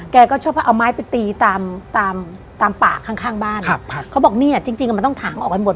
แกก็ชอบเอาไม้ไปตีตามป่าข้างบ้านเขาบอกเนี่ยจริงมันต้องถางออกไปหมด